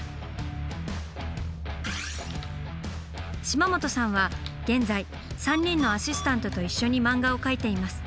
島本さんは現在３人のアシスタントと一緒に漫画を描いています。